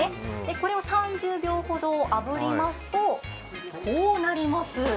これを３０秒ほどあぶりますと、こうなります。